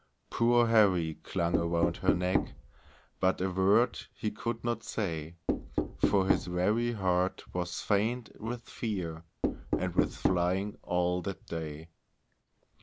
Poor Harry clung around her neck, But a word he could not say, For his very heart was faint with fear, And with flying all that day.